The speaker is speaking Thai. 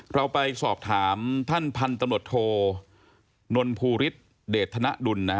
เราไปสอบถามท่านพันธุ์ตำรวจโทนนภูริสเดทธนดุล